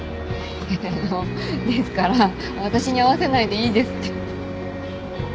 あのうですから私に合わせないでいいですって。